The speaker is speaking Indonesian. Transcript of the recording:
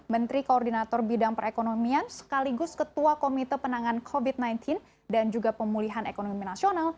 menteri koordinator bidang perekonomian sekaligus ketua komite penanganan covid sembilan belas dan juga pemulihan ekonomi nasional